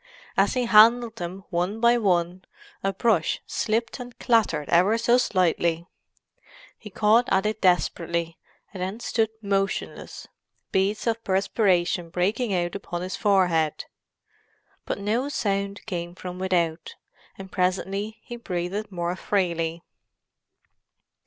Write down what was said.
As he handled them one by one, a brush slipped and clattered ever so slightly. He caught at it desperately, and then stood motionless, beads of perspiration breaking out upon his forehead. But no sound came from without, and presently he breathed more freely.